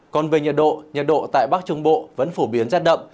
còn về nhật độ nhật độ tại bắc trung bộ vẫn phổ biến rét đậm